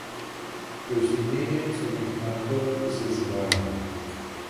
Durch die Nähe zum Äquator ist es warm.